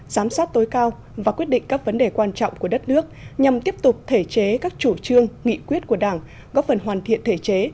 giám sát tối cao và quyết định các vấn đề quan trọng của đất nước nhằm tiếp tục thể chế các chủ trương nghị quyết của đảng góp phần hoàn thiện thể chế